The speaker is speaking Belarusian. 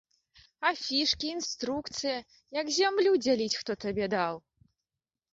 Афішкі, інструкцыя, як зямлю дзяліць, хто табе даў?